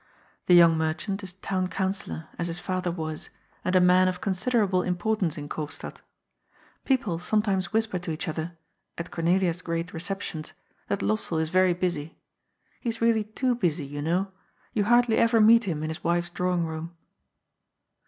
The young merchant is Town Councillor, as his father was, and a man of considerable importance in Koopstad. People sometimes whisper to each other, at Cor nelia's great receptions, that Lossell is very busy. He is really too busy, you know ; you hardly ever meet him in his wife's drawing room.